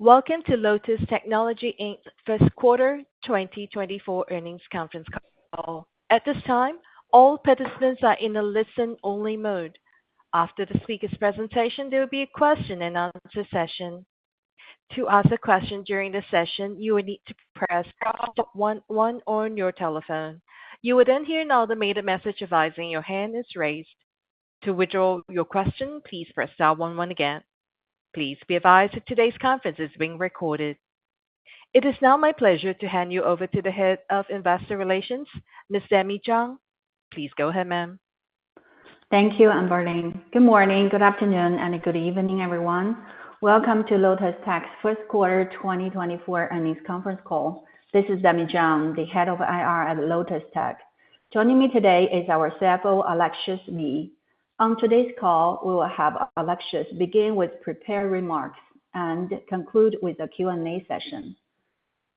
Welcome to Lotus Technology Inc. first quarter 2024 earnings conference call. At this time, all participants are in a listen-only mode. After the speaker's presentation, there will be a question and answer session. To ask a question during the session, you will need to press star one one on your telephone. You will then hear an automated message advising your hand is raised. To withdraw your question, please press star one one again. Please be advised that today's conference is being recorded. It is now my pleasure to hand you over to the Head of Investor Relations, Ms. Demi Zhang. Please go ahead, ma'am. Thank you, Amber Lane. Good morning, good afternoon, and good evening, everyone. Welcome to Lotus Tech's first quarter 2024 earnings conference call. This is Demi Zhang, the Head of IR at Lotus Tech. Joining me today is our CFO, Alexius Lee. On today's call, we will have Alexius begin with prepared remarks and conclude with a Q&A session.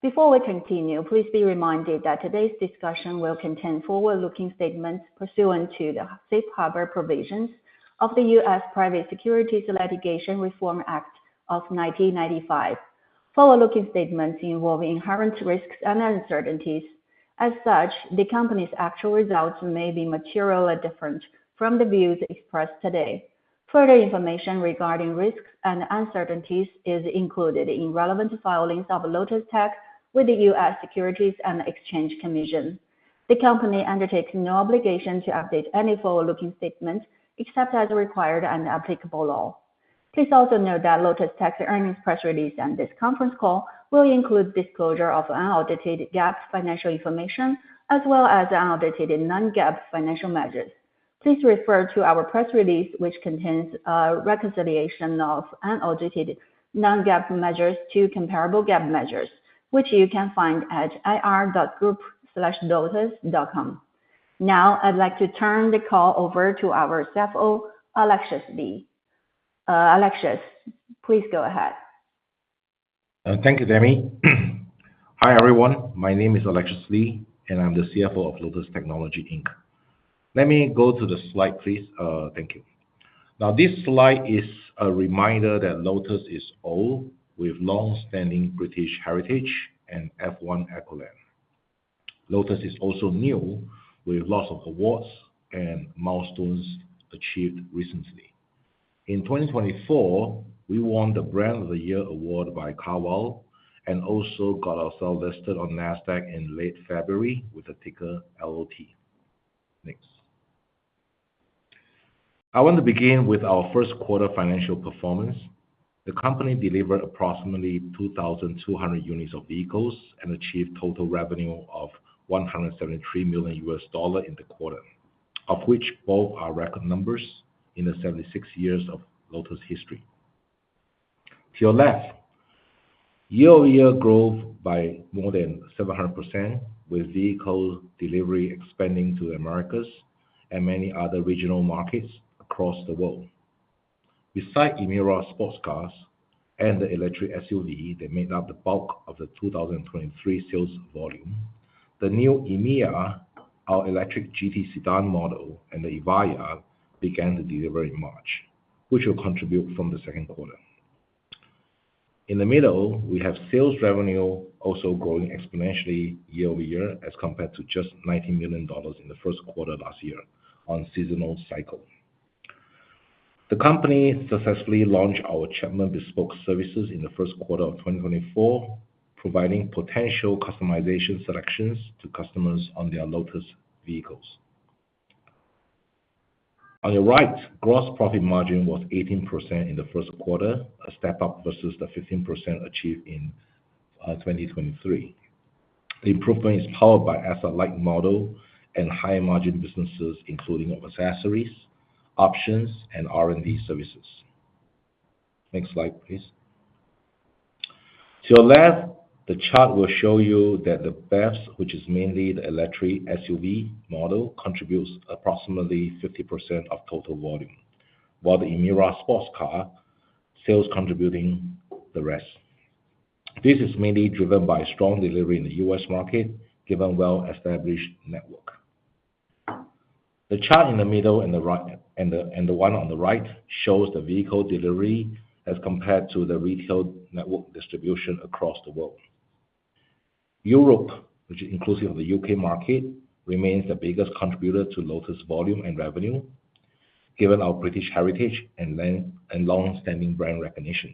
Before we continue, please be reminded that today's discussion will contain forward-looking statements pursuant to the Safe Harbor Provisions of the US Private Securities Litigation Reform Act of 1995. Forward-looking statements involve inherent risks and uncertainties. As such, the company's actual results may be materially different from the views expressed today. Further information regarding risks and uncertainties is included in relevant filings of Lotus Tech with the US Securities and Exchange Commission. The company undertakes no obligation to update any forward-looking statements, except as required in applicable law. Please also note that Lotus Tech's earnings press release and this conference call will include disclosure of unaudited GAAP financial information, as well as unaudited non-GAAP financial measures. Please refer to our press release, which contains a reconciliation of unaudited non-GAAP measures to comparable GAAP measures, which you can find at ir.group-lotus.com. Now, I'd like to turn the call over to our CFO, Alexius Lee. Alexius, please go ahead. Thank you, Demi. Hi, everyone. My name is Alexius Lee, and I'm the CFO of Lotus Technology, Inc. Let me go to the slide, please. Thank you. Now, this slide is a reminder that Lotus is old, with long-standing British heritage and F1 accolade. Lotus is also new, with lots of awards and milestones achieved recently. In 2024, we won the Brand of the Year award by Carwow, and also got ourselves listed on Nasdaq in late February with the ticker LOT. Next. I want to begin with our first quarter financial performance. The company delivered approximately 2,200 units of vehicles and achieved total revenue of $173 million in the quarter, of which both are record numbers in the 76 years of Lotus history. To your left, year-over-year growth by more than 700%, with vehicle delivery expanding to the Americas and many other regional markets across the world. Besides Emira sports cars and the electric SUV, they made up the bulk of the 2023 sales volume. The new Emeya, our electric GT sedan model, and the Evija began to deliver in March, which will contribute from the second quarter. In the middle, we have sales revenue also growing exponentially year-over-year, as compared to just $90 million in the first quarter last year on seasonal cycle. The company successfully launched our Chapman Bespoke services in the first quarter of 2024, providing potential customization selections to customers on their Lotus vehicles. On the right, gross profit margin was 18% in the first quarter, a step up versus the 15% achieved in 2023. The improvement is powered by asset-light model and higher-margin businesses, including accessories, options, and R&D services. Next slide, please. To your left, the chart will show you that the Eletre, which is mainly the electric SUV model, contributes approximately 50% of total volume, while the Emira sports car sales contributing the rest. This is mainly driven by strong delivery in the U.S. market, given well-established network. The chart in the middle and the right, and the one on the right, shows the vehicle delivery as compared to the retail network distribution across the world. Europe, which is inclusive of the U.K. market, remains the biggest contributor to Lotus volume and revenue, given our British heritage and legacy, and long-standing brand recognition.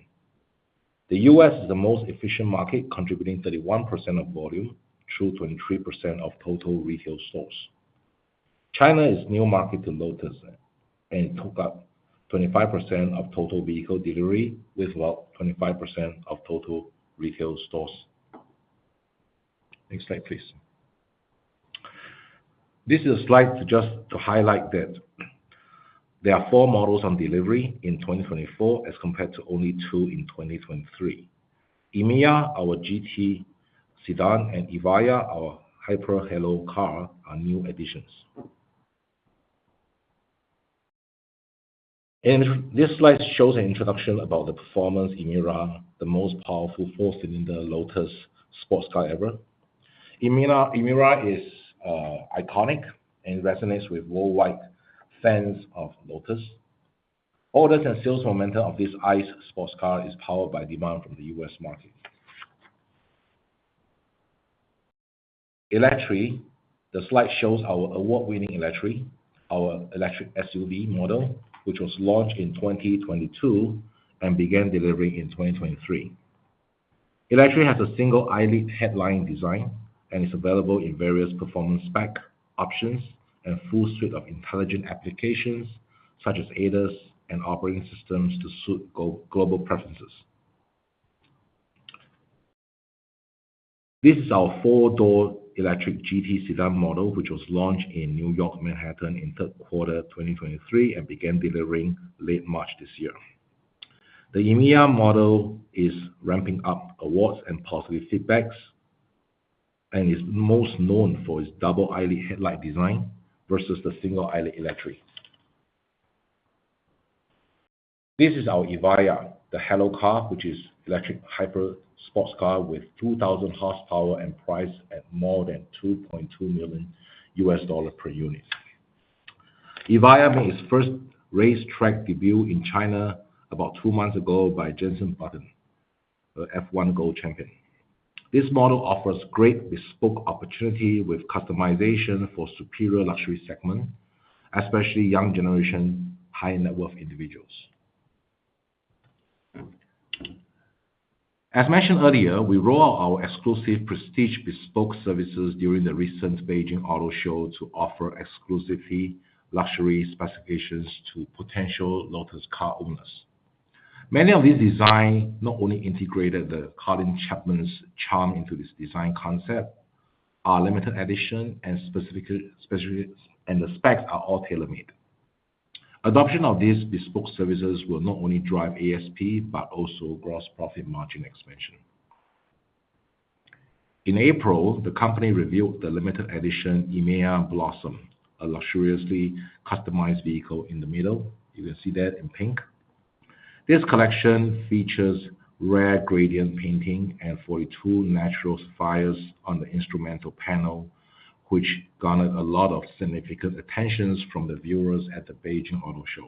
The U.S. is the most efficient market, contributing 31% of volume through 23% of total retail stores. China is a new market to Lotus, and took up 25% of total vehicle delivery, with about 25% of total retail stores. Next slide, please. This is a slide just to highlight that there are four models on delivery in 2024, as compared to only two in 2023. Emeya, our GT sedan, and Evija, our hyper halo car, are new additions. And this slide shows an introduction about the performance Emira, the most powerful four-cylinder Lotus sports car ever. Emira, Emira is iconic and resonates with worldwide fans of Lotus. Orders and sales momentum of this ICE sports car is powered by demand from the U.S. market. Eletre, the slide shows our award-winning Eletre, our electric SUV model, which was launched in 2022 and began delivering in 2023. Eletre has a single eyelid headlight design, and is available in various performance spec options, and a full suite of intelligent applications, such as ADAS and operating systems to suit global preferences. This is our four-door electric GT sedan model, which was launched in New York, Manhattan, in third quarter 2023, and began delivering late March this year. The Emeya model is ramping up awards and positive feedbacks, and is most known for its double eyelid headlight design versus the single eyelid Eletre. This is our Evija, the halo car, which is electric hyper sports car with 2,000 horsepower and priced at more than $2.2 million per unit. Evija made its first racetrack debut in China about two months ago by Jenson Button, a F1 world champion. This model offers great bespoke opportunity with customization for superior luxury segment, especially young generation, high-net-worth individuals. As mentioned earlier, we roll out our exclusive prestige bespoke services during the recent Beijing Auto Show to offer exclusively luxury specifications to potential Lotus car owners. Many of these designs not only integrated the Colin Chapman's charm into this design concept, are limited edition and specific, and the specs are all tailor-made. Adoption of these bespoke services will not only drive ASP, but also gross profit margin expansion. In April, the company revealed the limited edition Emeya Blossom, a luxuriously customized vehicle in the middle. You can see that in pink. This collection features rare gradient painting and 42 natural sapphires on the instrument panel, which garnered a lot of significant attention from the viewers at the Beijing Auto Show.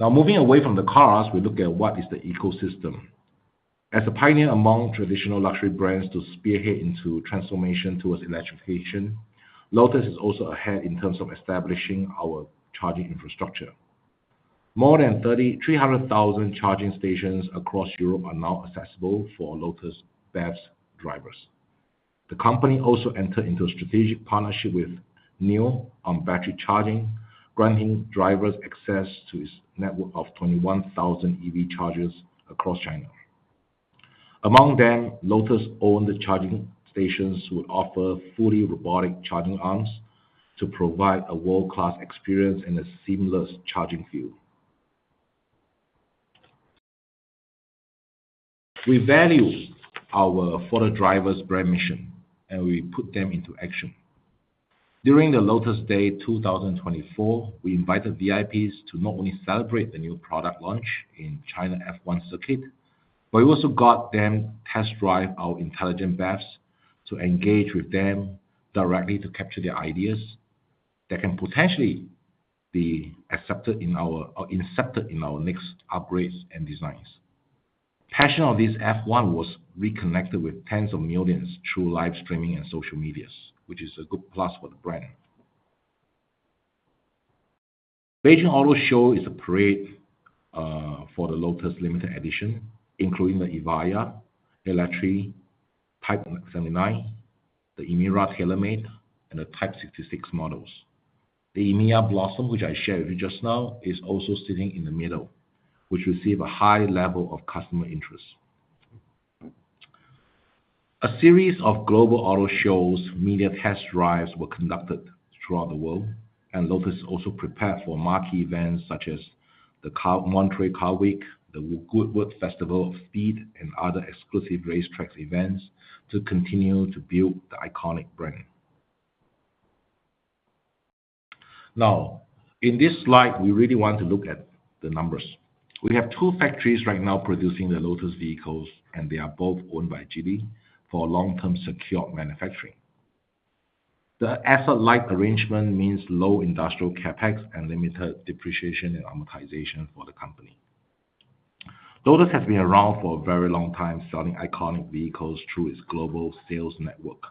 Now, moving away from the cars, we look at what is the ecosystem. As a pioneer among traditional luxury brands to spearhead into transformation towards electrification, Lotus is also ahead in terms of establishing our charging infrastructure. More than 3,300,000 charging stations across Europe are now accessible for Lotus BEVs' drivers. The company also entered into a strategic partnership with NIO on battery charging, granting drivers access to its network of 21,000 EV chargers across China. Among them, Lotus-owned charging stations will offer fully robotic charging arms to provide a world-class experience and a seamless charging feel. We value our For The Drivers brand mission, and we put them into action. During the Lotus Day 2024, we invited VIPs to not only celebrate the new product launch in China F1 Circuit, but we also got them test drive our intelligent BEVs, to engage with them directly to capture their ideas that can potentially be accepted in our- or incepted in our next upgrades and designs. Passion of this F1 was reconnected with tens of millions through live streaming and social media, which is a good plus for the brand. Beijing Auto Show is a parade for the Lotus limited edition, including the Evija, Eletre, Type 79, the Emira Tailor Made, and the Type 66 models. The Emeya Blossom, which I shared with you just now, is also sitting in the middle, which received a high level of customer interest. A series of global auto shows, media test drives were conducted throughout the world, and Lotus also prepared for marquee events such as the Carmel-Monterey Car Week, the Goodwood Festival of Speed, and other exclusive racetrack events to continue to build the iconic brand. Now, in this slide, we really want to look at the numbers. We have two factories right now producing the Lotus vehicles, and they are both owned by Geely for long-term secured manufacturing. The asset-light arrangement means low industrial CapEx and limited depreciation and amortization for the company. Lotus has been around for a very long time, selling iconic vehicles through its global sales network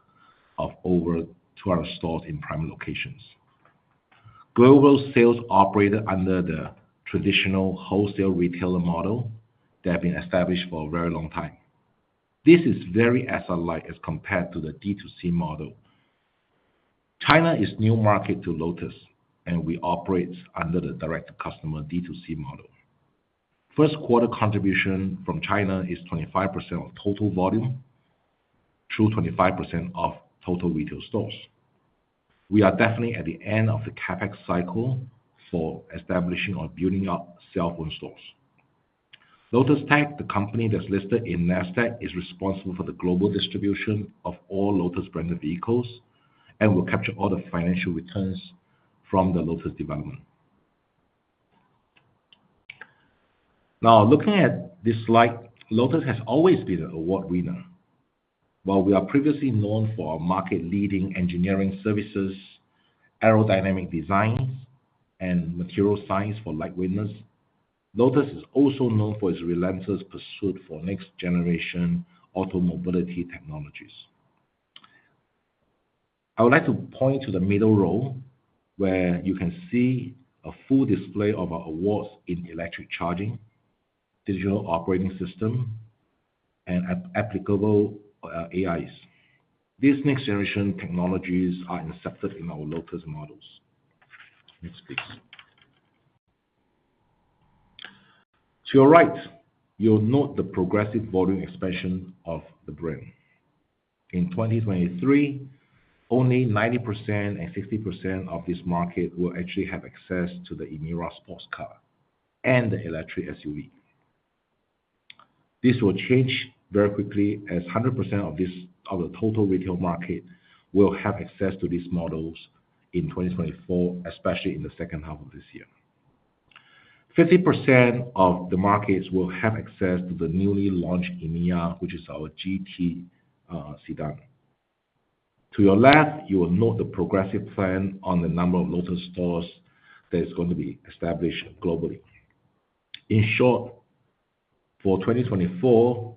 of over 200 stores in prime locations. Global sales operated under the traditional wholesale retailer model that have been established for a very long time. This is very asset-light as compared to the D2C model. China is a new market to Lotus, and we operate under the direct customer D2C model. First quarter contribution from China is 25% of total volume, through 25% of total retail stores. We are definitely at the end of the CapEx cycle for establishing or building up showroom stores. Lotus Tech, the company that's listed in Nasdaq, is responsible for the global distribution of all Lotus branded vehicles, and will capture all the financial returns from the Lotus development. Now, looking at this slide, Lotus has always been an award winner. While we are previously known for our market-leading engineering services, aerodynamic designs, and material science for lightweightness, Lotus is also known for its relentless pursuit for next-generation auto mobility technologies. I would like to point to the middle row, where you can see a full display of our awards in electric charging, digital operating system, and applicable AIs. These next-generation technologies are incepted in our Lotus models. Next, please. To your right, you'll note the progressive volume expansion of the brand. In 2023, only 90% and 60% of this market will actually have access to the Emira sports car and the electric SUV. This will change very quickly, as 100% of this, of the total retail market will have access to these models in 2024, especially in the second half of this year. 50% of the markets will have access to the newly launched Emeya, which is our GT sedan. To your left, you will note the progressive plan on the number of Lotus stores that is going to be established globally. In short, for 2024,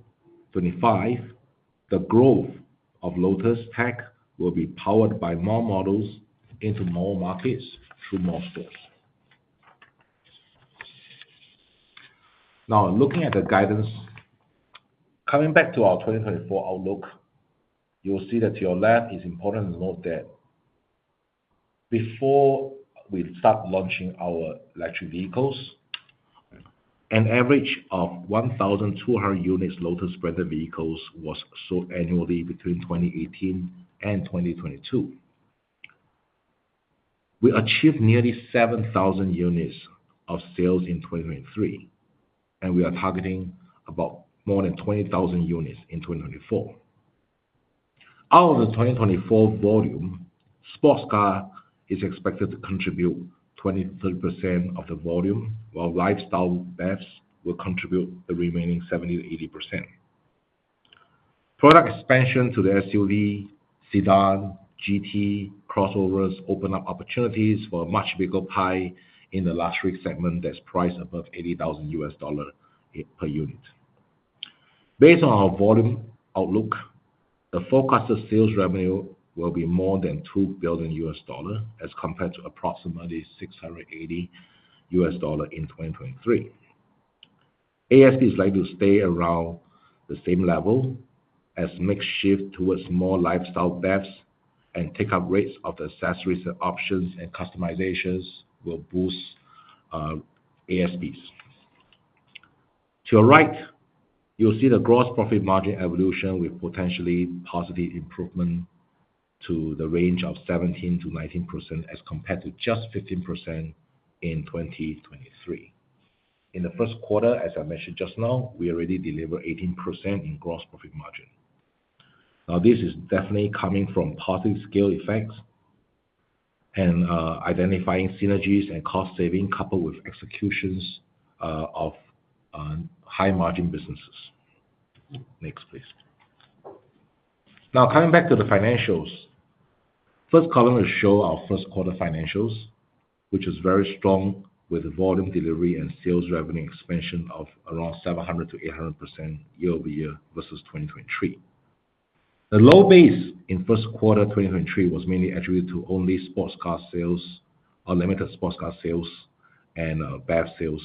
2025, the growth of Lotus Tech will be powered by more models into more markets through more stores. Now, looking at the guidance, coming back to our 2024 outlook, you'll see that to your left, it's important to note that before we start launching our electric vehicles, an average of 1,200 units Lotus branded vehicles was sold annually between 2018 and 2022. We achieved nearly 7,000 units of sales in 2023, and we are targeting about more than 20,000 units in 2024. Out of the 2024 volume, sports car is expected to contribute 20-30% of the volume, while lifestyle BEVs will contribute the remaining 70%-80%. Product expansion to the SUV, sedan, GT crossovers open up opportunities for a much bigger pie in the luxury segment that's priced above $80,000 per unit. Based on our volume outlook, the forecasted sales revenue will be more than $2 billion, as compared to approximately $680 million in 2023. ASP is likely to stay around the same level, as mix shift towards more lifestyle BEVs and take-up rates of the accessories, and options, and customizations will boost ASPs. To your right, you'll see the gross profit margin evolution with potentially positive improvement to the range of 17%-19%, as compared to just 15% in 2023. In the first quarter, as I mentioned just now, we already delivered 18% in gross profit margin. Now, this is definitely coming from positive scale effects and identifying synergies and cost saving, coupled with executions of high-margin businesses. Next, please. Now, coming back to the financials. First column will show our first quarter financials, which is very strong, with the volume delivery and sales revenue expansion of around 700%-800% year-over-year versus 2023. The low base in first quarter 2023 was mainly attributed to only sports car sales, unlimited sports car sales and BEV sales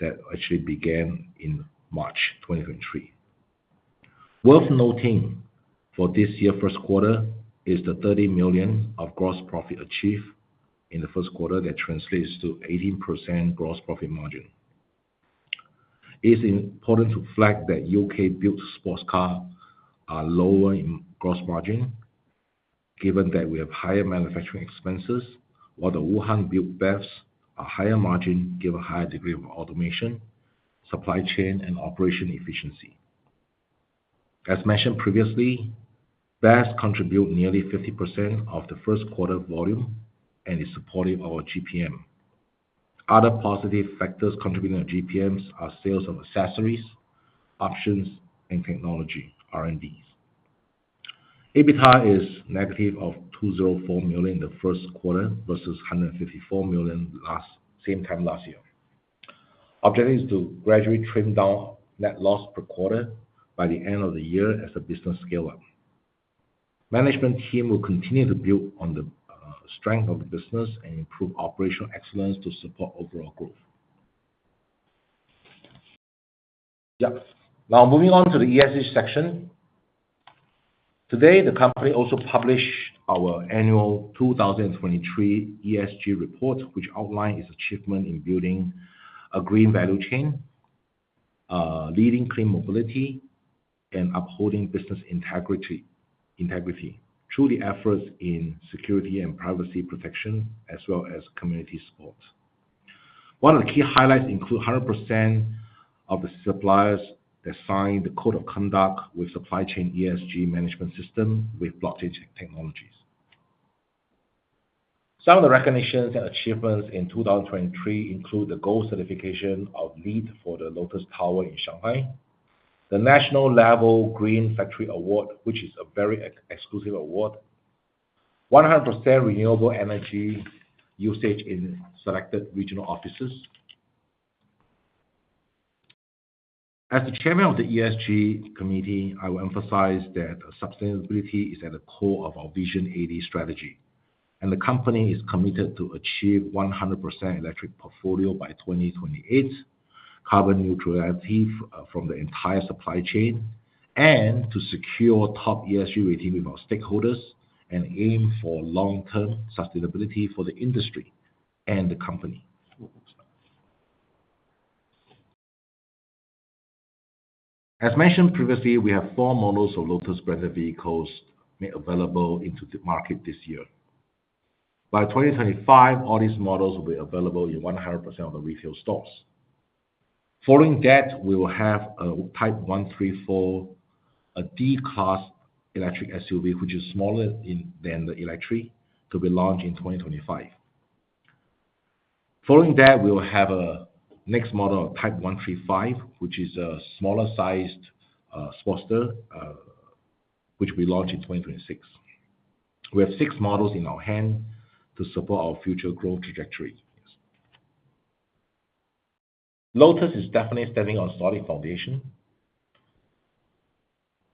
that actually began in March 2023. Worth noting for this year, first quarter, is the $30 million of gross profit achieved in the first quarter. That translates to 18% gross profit margin. It's important to flag that UK-built sports car are lower in gross margin, given that we have higher manufacturing expenses, while the Wuhan-built BEVs are higher margin, given higher degree of automation, supply chain, and operation efficiency. As mentioned previously, BEVs contribute nearly 50% of the first quarter volume and is supportive of our GPM. Other positive factors contributing to GPMs are sales of accessories, options, and technology, R&Ds. EBITDA is -$204 million in the first quarter versus $154 million last, same time last year. Objective is to gradually trim down net loss per quarter by the end of the year as the business scale up. Management team will continue to build on the, strength of the business and improve operational excellence to support overall growth. Yeah. Now, moving on to the ESG section. Today, the company also published our annual 2023 ESG report, which outlined its achievement in building a green value chain, leading clean mobility, and upholding business integrity through the efforts in security and privacy protection, as well as community support. One of the key highlights include 100% of the suppliers that signed the code of conduct with supply chain ESG management system with blockchain technologies. Some of the recognitions and achievements in 2023 include the gold certification of LEED for the Lotus Tower in Shanghai, the National Level Green Factory Award, which is a very exclusive award, 100% renewable energy usage in selected regional offices. As the Chairman of the ESG committee, I will emphasize that sustainability is at the core of our Vision 80 strategy, and the company is committed to achieve 100% electric portfolio by 2028, carbon neutrality from the entire supply chain, and to secure top ESG rating with our stakeholders and aim for long-term sustainability for the industry and the company. As mentioned previously, we have four models of Lotus branded vehicles made available into the market this year. By 2025, all these models will be available in 100% of the retail stores. Following that, we will have a Type 134, a D-segment electric SUV, which is smaller in than the Eletre, to be launched in 2025. Following that, we will have a next model of Type 135, which is a smaller sized, sports car, which we launch in 2026. We have 6 models in our hand to support our future growth trajectory. Lotus is definitely standing on solid foundation.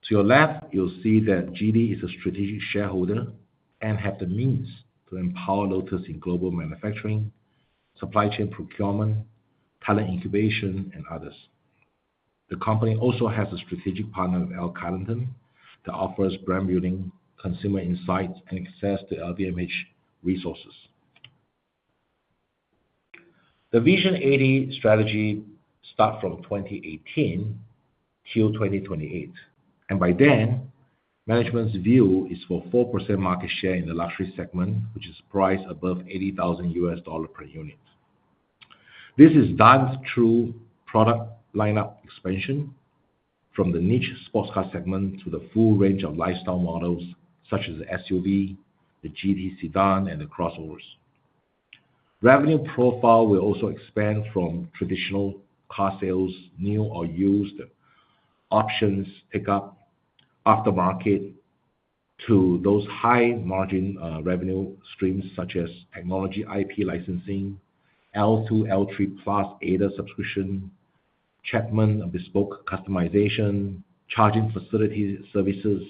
To your left, you'll see that Geely is a strategic shareholder and have the means to empower Lotus in global manufacturing, supply chain procurement, talent incubation, and others. The company also has a strategic partner in L Catterton, that offers brand building, consumer insights, and access to LVMH resources. The Vision 80 strategy start from 2018 till 2028, and by then, management's view is for 4% market share in the luxury segment, which is priced above $80,000 per unit. This is done through product lineup expansion from the niche sports car segment to the full range of lifestyle models, such as the SUV, the GT Sedan, and the crossovers. Revenue profile will also expand from traditional car sales, new or used options, pickup, aftermarket, to those high margin, revenue streams such as technology IP licensing, L2, L3 plus ADAS subscription, Chapman Bespoke customization, charging facility services,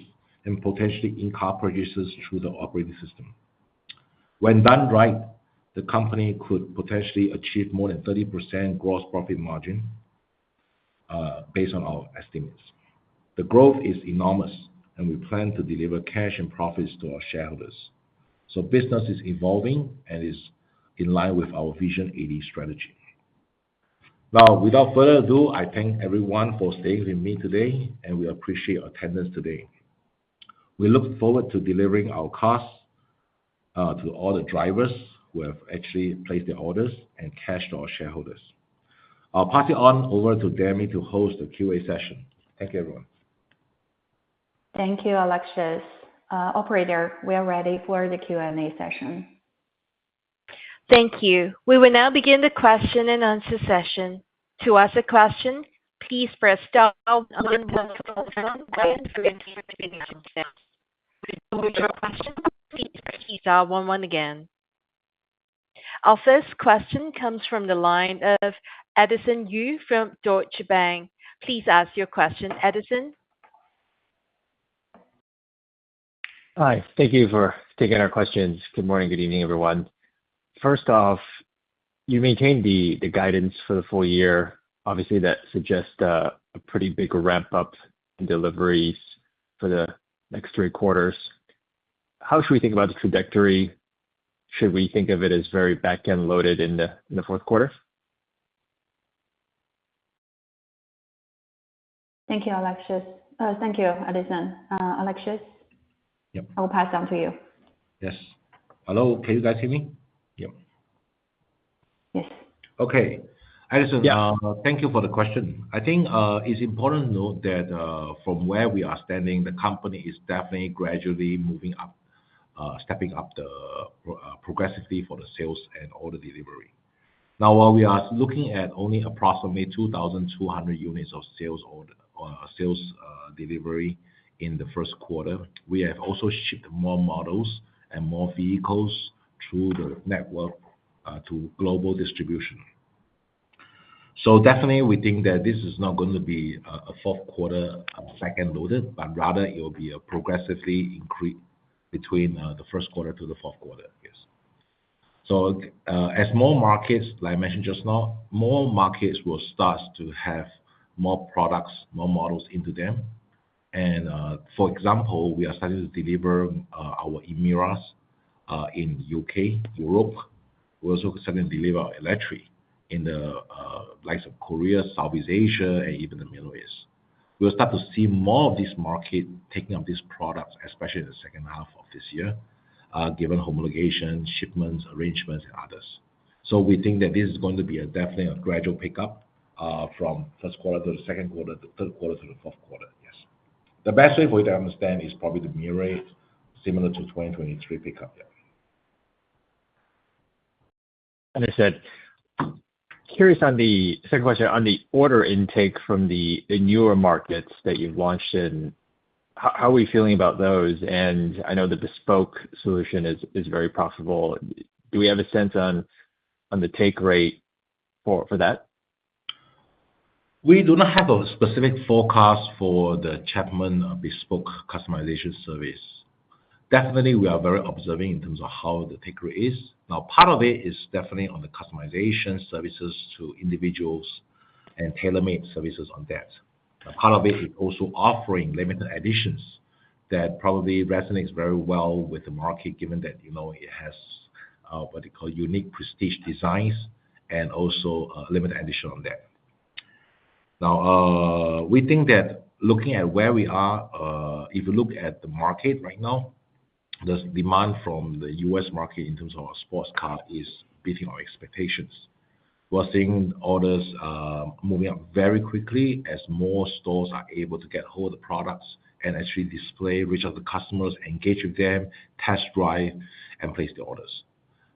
and potentially in-car purchases through the operating system. When done right, the company could potentially achieve more than 30% gross profit margin, based on our estimates. The growth is enormous, and we plan to deliver cash and profits to our shareholders. So business is evolving and is in line with our Vision 80 strategy. Now, without further ado, I thank everyone for staying with me today, and we appreciate your attendance today. We look forward to delivering our cars to all the drivers who have actually placed their orders, and cash to our shareholders. I'll pass it on over to Demi to host the QA session. Thank you, everyone. Thank you, Alexius. Operator, we are ready for the Q&A session. Thank you. We will now begin the question and answer session. To ask a question, please press star one one again. To withdraw your question, please press star one one again. Our first question comes from the line of Edison Yu from Deutsche Bank. Please ask your question, Edison. Hi. Thank you for taking our questions. Good morning, good evening, everyone. First off, you maintained the guidance for the full year. Obviously, that suggests a pretty big ramp-up in deliveries for the next three quarters. How should we think about the trajectory? Should we think of it as very back-end loaded in the fourth quarter? Thank you, Alexius. Thank you, Edison. Alexius? Yep. I will pass down to you. Yes. Hello, can you guys hear me? Yep. Yes. Okay. Edison- Yeah. Thank you for the question. I think, it's important to note that, from where we are standing, the company is definitely gradually moving up, stepping up the, progressively for the sales and order delivery. Now, while we are looking at only approximately 2,200 units of sales order or sales, delivery in the first quarter, we have also shipped more models and more vehicles through the network, to global distribution. So definitely we think that this is not going to be a, a fourth quarter second loaded, but rather it will be a progressively increase between, the first quarter to the fourth quarter. Yes. So, as more markets, like I mentioned just now, more markets will start to have more products, more models into them. For example, we are starting to deliver our Emira in UK, Europe. We're also starting to deliver our Eletre in the likes of Korea, Southeast Asia, and even the Middle East. We'll start to see more of this market taking up these products, especially in the second half of this year, given homologation, shipments, arrangements, and others. So we think that this is going to be definitely a gradual pickup from first quarter to the second quarter to third quarter to the fourth quarter. The best way for you to understand is probably the Emira rate, similar to 2023 pickup, yeah. Understood. Curious on the second question, on the order intake from the newer markets that you've launched in, how are we feeling about those? And I know the bespoke solution is very profitable. Do we have a sense on the take rate for that? We do not have a specific forecast for the Chapman Bespoke customization service. Definitely, we are very observing in terms of how the take rate is. Now, part of it is definitely on the customization services to individuals and tailor-made services on that. Now, part of it is also offering limited editions that probably resonates very well with the market, given that, you know, it has what they call unique prestige designs, and also limited edition on that. Now, we think that looking at where we are, if you look at the market right now, the demand from the U.S. market in terms of our sports car is beating our expectations. We're seeing orders moving up very quickly as more stores are able to get hold of the products and actually display, which of the customers engage with them, test drive, and place the orders.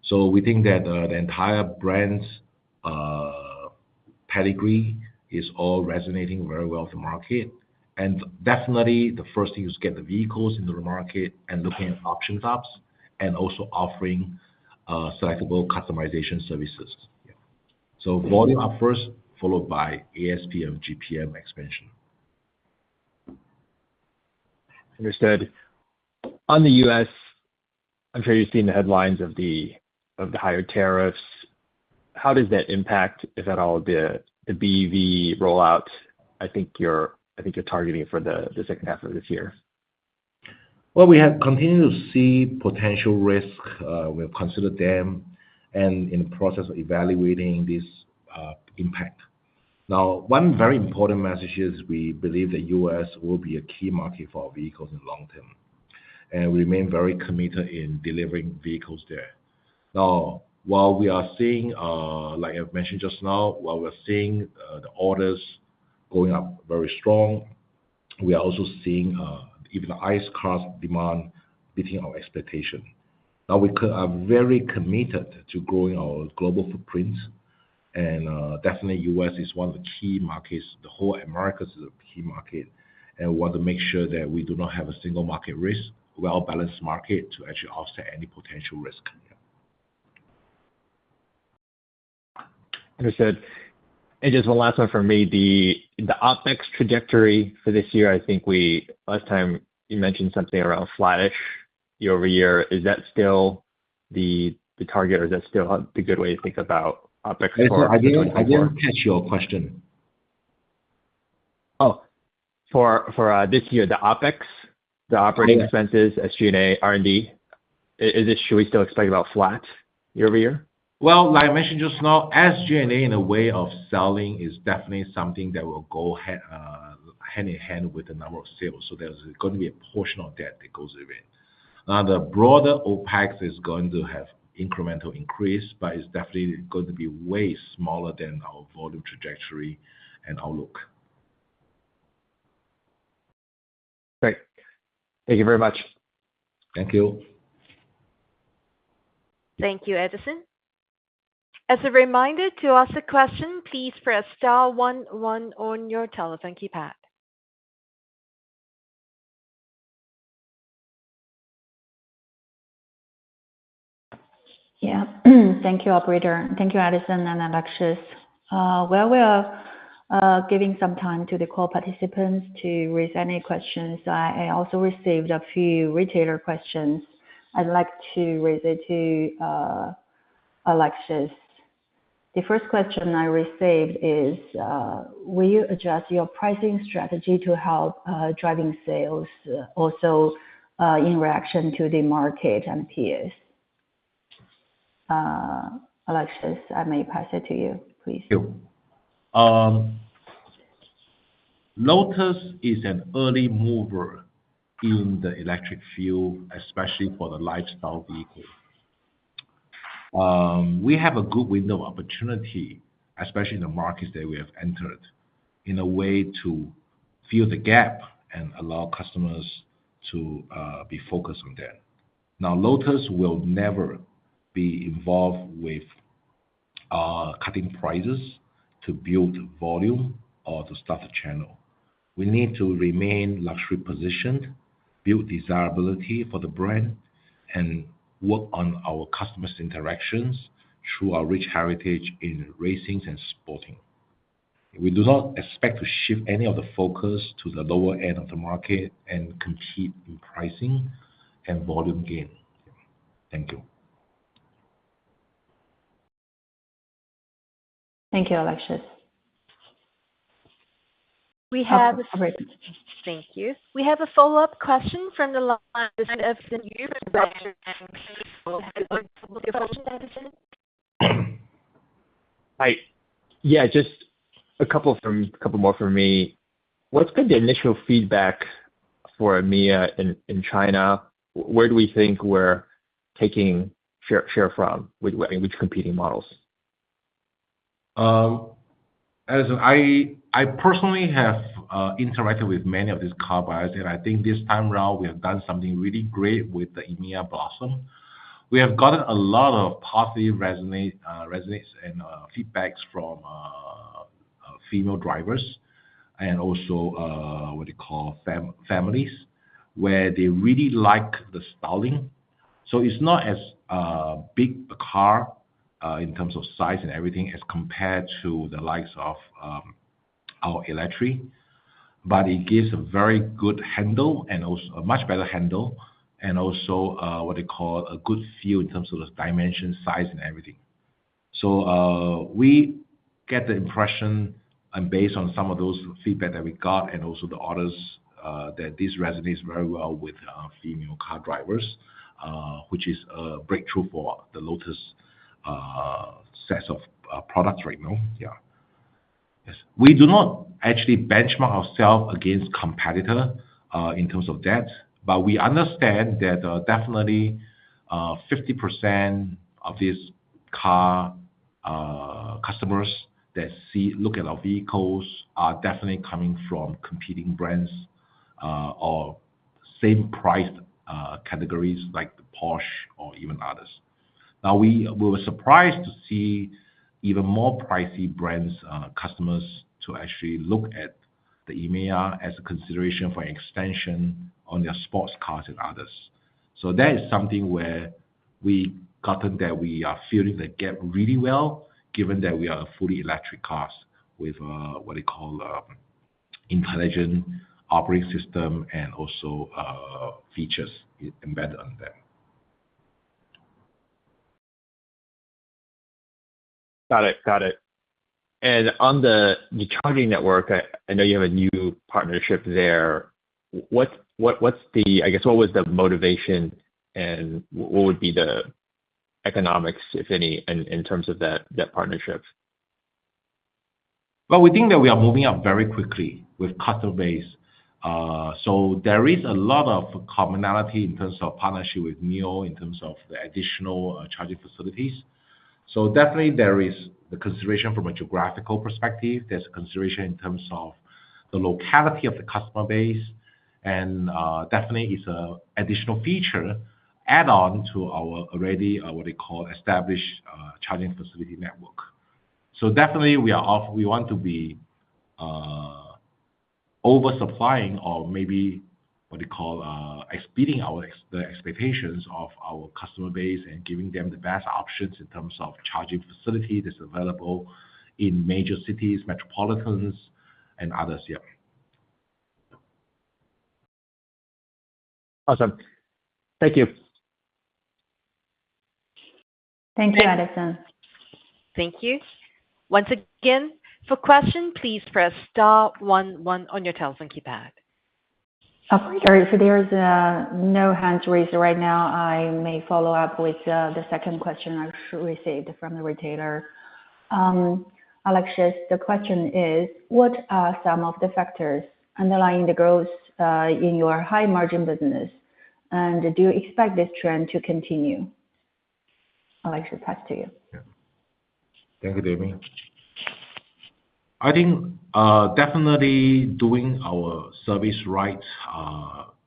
So we think that the entire brand's pedigree is all resonating very well with the market. And definitely, the first thing is to get the vehicles into the market and looking at option tops, and also offering selectable customization services. Yeah. So volume up first, followed by ASPM GPM expansion. Understood. On the U.S., I'm sure you've seen the headlines of the higher tariffs. How does that impact, if at all, the BEV rollout? I think you're targeting it for the second half of this year. Well, we have continued to see potential risks, we have considered them, and in the process of evaluating this impact. Now, one very important message is, we believe the U.S. will be a key market for our vehicles in the long term, and we remain very committed in delivering vehicles there. Now, while we are seeing, like I've mentioned just now, while we're seeing, the orders going up very strong, we are also seeing, even the ICE cars demand beating our expectation. Now, we are very committed to growing our global footprint, and, definitely U.S. is one of the key markets. The whole Americas is a key market, and we want to make sure that we do not have a single market risk, well-balanced market, to actually offset any potential risk. Understood. Just one last one for me. The OpEx trajectory for this year, I think last time you mentioned something around flattish year-over-year. Is that still the target, or is that still a good way to think about OpEx for? I didn't catch your question. Oh, for this year, the OpEx, the operating- Oh, yeah... expenses, SG&A, R&D. Is it? Should we still expect about flat year-over-year? Well, like I mentioned just now, SG&A in a way of selling is definitely something that will go hand in hand with the number of sales, so there's going to be a portion of that, that goes with it. Now, the broader OpEx is going to have incremental increase, but it's definitely going to be way smaller than our volume trajectory and outlook. Great. Thank you very much. Thank you. Thank you, Edison. As a reminder, to ask a question, please press star one one on your telephone keypad. Yeah. Thank you, operator. Thank you, Edison and Alexis. Well, we are giving some time to the call participants to raise any questions. I also received a few retailer questions. I'd like to raise it to Alexis. The first question I received is: Will you adjust your pricing strategy to help driving sales also in reaction to the market and peers? Alexis, I may pass it to you, please. Thank you. Lotus is an early mover in the electric field, especially for the lifestyle vehicle. We have a good window of opportunity, especially in the markets that we have entered, in a way to fill the gap and allow customers to be focused on that. Now, Lotus will never be involved with cutting prices to build volume or to start a channel. We need to remain luxury positioned, build desirability for the brand, and work on our customers' interactions through our rich heritage in racings and sporting. We do not expect to shift any of the focus to the lower end of the market and compete in pricing and volume gain. Thank you. Thank you, Alexius. We have- Thank you. We have a follow-up question from the line of the Hi. Yeah, just a couple more from me. What's been the initial feedback for Emeya in China? Where do we think we're taking share from? With which competing models?... as I personally have interacted with many of these car buyers, and I think this time around we have done something really great with the Emeya Blossom. We have gotten a lot of positive resonate, resonates and feedbacks from female drivers and also what do you call families, where they really like the styling. So it's not as big a car in terms of size and everything as compared to the likes of our Eletre, but it gives a very good handle and also a much better handle and also what they call a good feel in terms of the dimension, size, and everything. So, we get the impression, and based on some of those feedback that we got and also the orders, that this resonates very well with female car drivers, which is a breakthrough for the Lotus set of products right now. Yeah. Yes. We do not actually benchmark ourselves against competitors in terms of that, but we understand that definitely 50% of these car customers that see, look at our vehicles are definitely coming from competing brands or same price categories like the Porsche or even others. Now, we, we were surprised to see even more pricey brands customers to actually look at the Emeya as a consideration for expansion on their sports cars and others. So that is something where we gotten that we are filling the gap really well, given that we are a fully electric cars with, what they call, intelligent operating system and also, features embedded on them. Got it. Got it. And on the charging network, I know you have a new partnership there. What’s the—I guess, what was the motivation, and what would be the economics, if any, in terms of that partnership? Well, we think that we are moving up very quickly with customer base. So there is a lot of commonality in terms of partnership with NIO, in terms of the additional charging facilities. So definitely there is the consideration from a geographical perspective. There's a consideration in terms of the locality of the customer base. And definitely it's a additional feature add-on to our already what they call established charging facility network. So definitely we want to be oversupplying or maybe what they call exceeding our expectations of our customer base and giving them the best options in terms of charging facility that's available in major cities, metropolitans and others. Yeah. Awesome. Thank you. Thank you, Edison. Thank you. Once again, for question, please press star one one on your telephone keypad. Okay, so there is no hands raised right now. I may follow up with the second question I just received from the retailer. Alexius, the question is: What are some of the factors underlying the growth in your high margin business? And do you expect this trend to continue? Alexius, pass to you. Yeah. Thank you, Dami. I think, definitely doing our service right,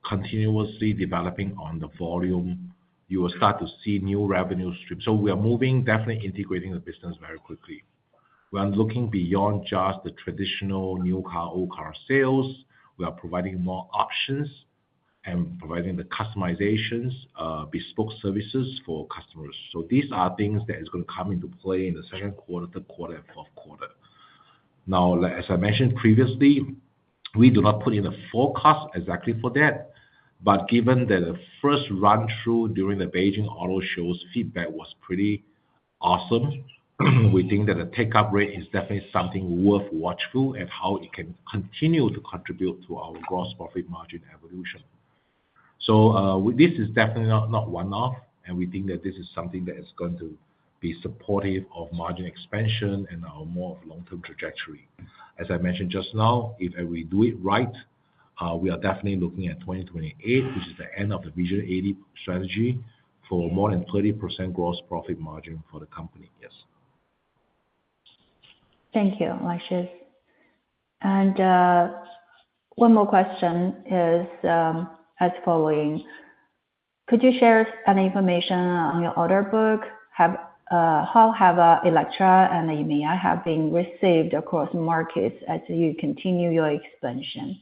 continuously developing on the volume, you will start to see new revenue stream. So we are moving, definitely integrating the business very quickly. We are looking beyond just the traditional new car, old car sales. We are providing more options and providing the customizations, bespoke services for customers. So these are things that is gonna come into play in the second quarter, third quarter, and fourth quarter. Now, like as I mentioned previously, we do not put in a forecast exactly for that, but given that the first run-through during the Beijing Auto Show's feedback was pretty awesome, we think that the take-up rate is definitely something worth watch through and how it can continue to contribute to our gross profit margin evolution. So, this is definitely not one-off, and we think that this is something that is going to be supportive of margin expansion and our more of long-term trajectory. As I mentioned just now, if we do it right, we are definitely looking at 2028, which is the end of the Vision 80 strategy, for more than 30% gross profit margin for the company. Yes. Thank you, Alexius. One more question is as following: Could you share some information on your order book? How have Eletre and Emeya been received across markets as you continue your expansion?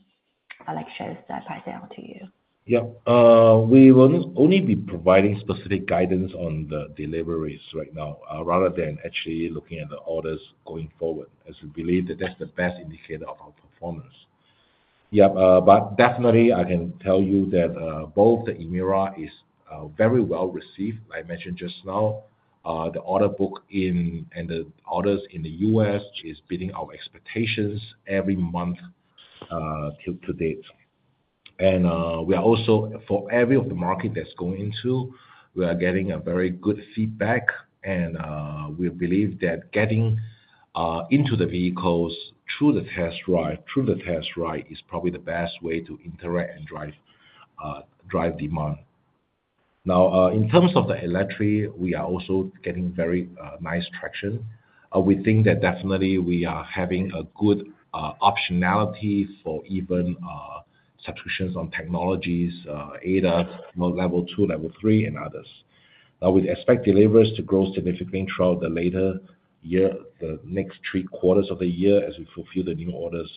Alexius, I pass it on to you. Yeah. We will only be providing specific guidance on the deliveries right now, rather than actually looking at the orders going forward, as we believe that that's the best indicator of our performance. Yeah, but definitely I can tell you that both the Emeya is very well received. I mentioned just now the order book in and the orders in the U.S. is beating our expectations every month till to date. We are also, for every of the market that's going into, we are getting a very good feedback, and we believe that getting into the vehicles through the test ride, through the test ride, is probably the best way to interact and drive drive demand. Now, in terms of the Eletre, we are also getting very nice traction. We think that definitely we are having a good optionality for even substitutions on technologies, ADAS level two, level three, and others. Now, we expect deliveries to grow significantly throughout the latter year, the next three quarters of the year, as we fulfill the new orders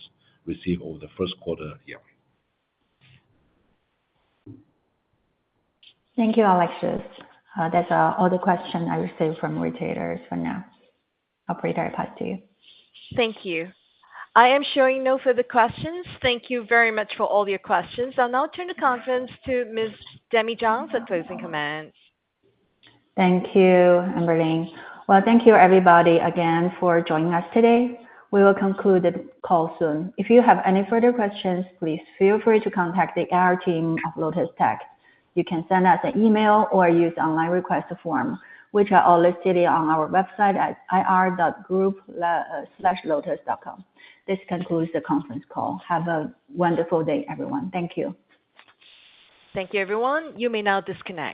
received over the first quarter. Yeah. Thank you, Alexius. That's all, all the question I received from retailers for now. Operator, I pass to you. Thank you. I am showing no further questions. Thank you very much for all your questions. I'll now turn the conference to Ms. Demi Zhang for closing comments. Thank you, Amber Lane. Well, thank you, everybody, again, for joining us today. We will conclude the call soon. If you have any further questions, please feel free to contact the IR team of Lotus Tech. You can send us an email or use online request form, which are all listed on our website at ir.lotustechnology.com. This concludes the conference call. Have a wonderful day, everyone. Thank you. Thank you, everyone. You may now disconnect.